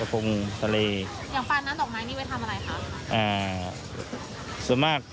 อย่างปานน้ำดอกไม้นี่ไว้ทำอะไรครับ